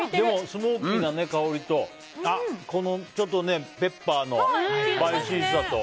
スモーキーな香りとこの、ちょっとペッパーのスパイシーさと。